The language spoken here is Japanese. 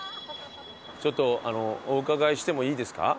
ちょっとお伺いしてもいいですか？